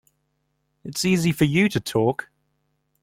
It's easy for you to talk.